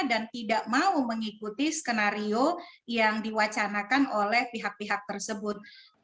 dan tidak mau mengikuti skenario yang diwacanakan oleh pihak pihak tersebut